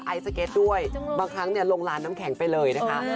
สเก็ตด้วยบางครั้งลงลานน้ำแข็งไปเลยนะคะ